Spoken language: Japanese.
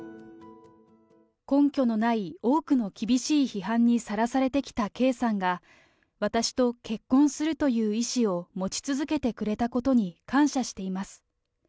根拠のない多くの厳しい批判にさらされてきた圭さんが、私と結婚するという意思を持ち続けてくれたことに感謝しています。